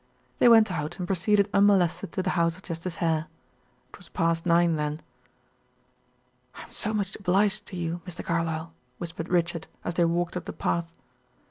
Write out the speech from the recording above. They went out and proceeded unmolested to the house of Justice Hare. It was past nine, then. "I am so much obliged to you Mr. Carlyle," whispered Richard, as they walked up the path.